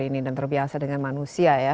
ini dan terbiasa dengan manusia ya